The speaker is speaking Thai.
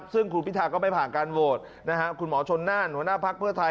ซึ่งคุณพิธาก็ไม่ผ่านการโหวตคุณหมอชนน่านหัวหน้าภักดิ์เพื่อไทย